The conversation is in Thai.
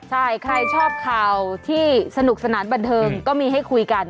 ใช่ใครชอบข่าวที่สนุกสนานบันเทิงก็มีให้คุยกัน